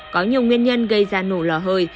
có nhiều nguyên nhân gây ra nổ lò hơi